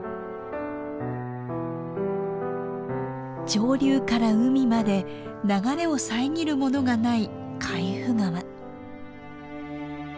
上流から海まで流れを遮るものがない海部川。